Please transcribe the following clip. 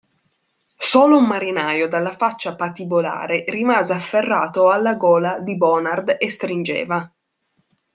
Solo un marinaio dalla faccia patibolare rimase afferrato alla gola di Bonard e stringeva.